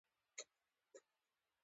ایا زما خوب به سم شي؟